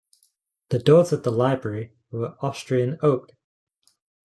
The doors of the library were of Austrian oak.